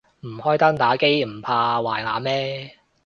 唔開燈打機唔怕壞眼咩